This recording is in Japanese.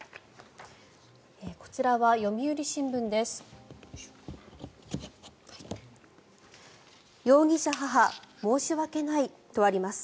こちらは読売新聞です。